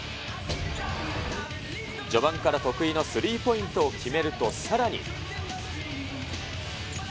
序盤から得意のスリーポイントを決めると、さらに。